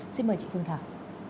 xin mời chị phương thảo